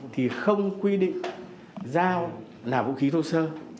thì không quy định dao là vũ khí thô sơ